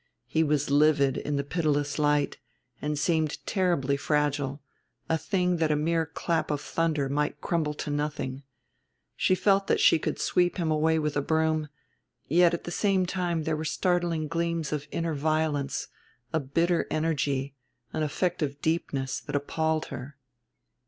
He was livid in the pitiless light, and seemed terribly fragile, a thing that a mere clap of thunder might crumble to nothing; she felt that she could sweep him away with a broom; yet at the same time there were startling gleams of inner violence, a bitter energy, an effect of deepness, that appalled her.